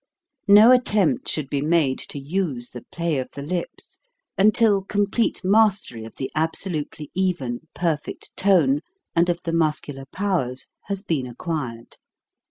No attempt should be made to use the play of the lips until complete mastery of the absolutely even, perfect tone, and of the muscular powers, has been acquired.